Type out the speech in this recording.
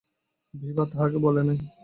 বিভা তাহাকে বলে নাই।